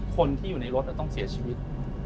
คนที่อยู่ในรถต้องเสียชีวิต